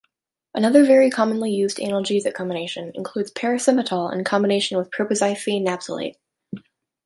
Another very commonly used analgesic combination includes paracetamol in combination with propoxyphene napsylate.